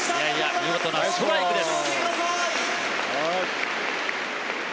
見事なストライクです。